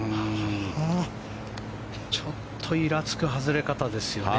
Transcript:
ちょっとイラつく外れ方ですよね。